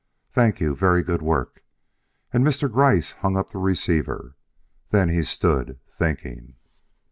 "Thank you. Very good work." And Mr. Gryce hung up the receiver. Then he stood thinking.